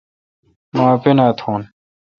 مہ اپینا تھون۔